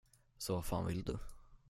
Så vad fan vill du?